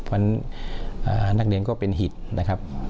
เพราะฉะนั้นนักเรียนก็เป็นหิตนะครับ